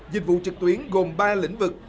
dịch vụ trực tuyến gồm ba lĩnh vực